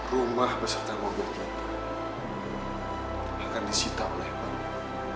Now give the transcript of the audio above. rumah beserta mobil kita akan disita oleh banyak